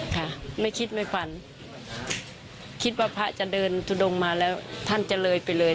ค่ะไม่คิดไม่ฝันคิดว่าพระจะเดินทุดงมาแล้วท่านจะเลยไปเลย